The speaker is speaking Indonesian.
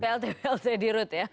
plt plt di rute ya